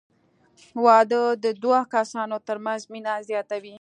• واده د دوه کسانو تر منځ مینه زیاتوي.